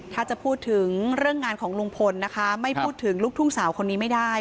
ถ้าจะพูดถึงเรื่องงานของลุงพลนะคะไม่พูดถึงลูกทุ่งสาวคนนี้ไม่ได้